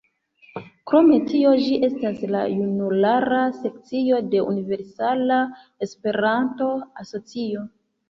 Krom tio, ĝi estas la junulara sekcio de Universala Esperanto-Asocio.